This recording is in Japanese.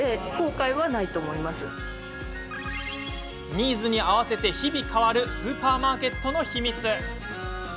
ニーズに合わせて日々変わるスーパーマーケットの秘密。